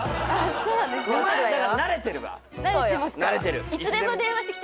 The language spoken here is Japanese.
そうなんですか？